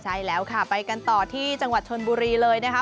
ใช่แล้วค่ะไปกันต่อที่จังหวัดชนบุรีเลยนะคะ